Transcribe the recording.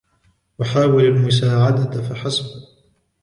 أحاول المساعدة فحسب.